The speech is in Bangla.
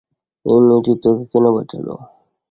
এই মেয়েটি তোকে কেন বাঁচালো?